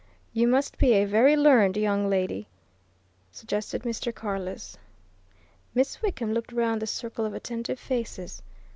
"You must be a very learned young lady," suggested Mr. Carless. Miss Wickham looked round the circle of attentive faces.